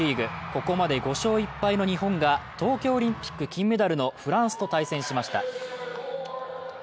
ここまで５勝１敗の日本が東京オリンピック金メダルのフランスと対戦しました。